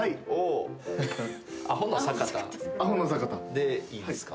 でいいですか？